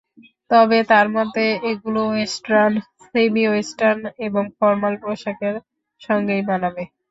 তবে তাঁর মতে এগুলো ওয়েস্টার্ন, সেমি ওয়েস্টার্ন এবং ফরমাল পোশাকের সঙ্গেই মানাবে।